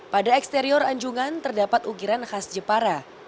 pada eksterior anjungan terdapat ukiran khas jepara